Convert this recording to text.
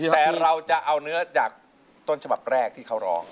แต่เราจะเอาเนื้อจากต้นฉบับแรกที่เขาร้อง